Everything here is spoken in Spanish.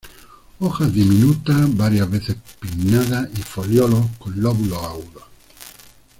Hojas diminutas, varias veces pinnadas y foliolos con lóbulos agudos.